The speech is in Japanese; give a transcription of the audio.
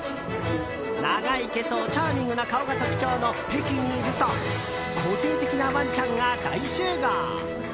長い毛とチャーミングな顔が特徴のペキニーズと個性的なワンちゃんが大集合。